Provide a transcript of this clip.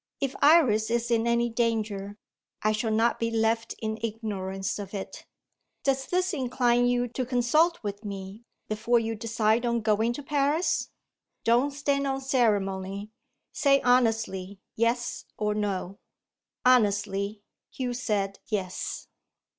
If Iris is in any danger, I shall not be left in ignorance of it. Does this incline you to consult with me, before you decide on going to Paris? Don't stand on ceremony; say honestly, Yes or No." Honestly, Hugh said Yes.